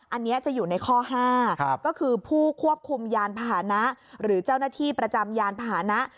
อันนี้จะอยู่ในข้อ๕ก็คือผู้ควบคุมยานพาหนะหรือเจ้าหน้าที่ประจำยานพาหนะ